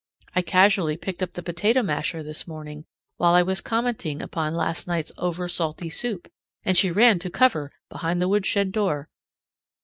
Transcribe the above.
I casually picked up the potato masher this morning while I was commenting upon last night's over salty soup, and she ran to cover behind the woodshed door.